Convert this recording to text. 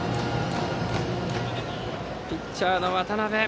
ピッチャーの渡辺。